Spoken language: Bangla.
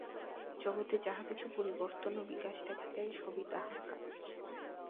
জগতে যাহা কিছু পরিবর্তন ও বিকাশ দেখা যায়, সবই তাঁহার কাজ।